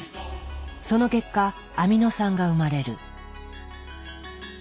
その結果アミノ酸が生まれる。